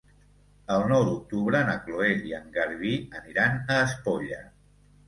El nou d'octubre na Cloè i en Garbí aniran a Espolla.